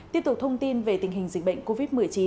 tiếp tục thông tin về tình hình dịch bệnh covid một mươi chín